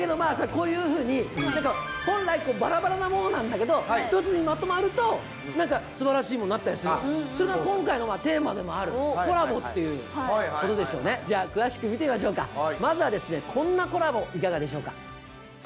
こういうふうに何か本来バラバラなものなんだけど１つにまとまると何かすばらしいものになったりするそれが今回のテーマでもあるコラボっていうことでしょうねじゃあ詳しく見てみましょうかまずはですねこんなコラボいかがでしょうか？